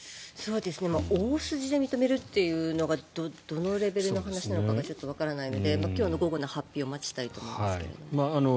大筋で認めるというのがどのレベルの話なのかがちょっとわからないので今日の午後の発表を待ちたいと思いますが。